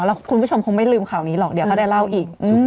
แล้วคุณผู้ชมคงไม่ลืมข่าวนี้หรอกเดี๋ยวเขาจะเล่าอีก